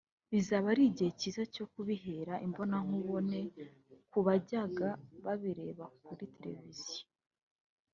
Bizaba ari igihe cyiza cyo kubireba imbonankubone ku bajyaga babirebera kuri televiziyo